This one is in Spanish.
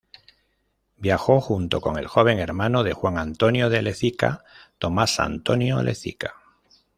Viajó junto con el joven hermano de Juan Antonio de Lezica, Tomás Antonio Lezica.